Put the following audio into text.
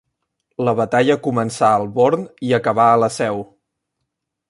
La batalla començà al Born i acabà a la Seu.